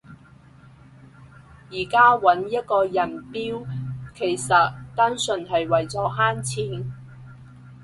而家搵一個人標其實單純係為咗慳錢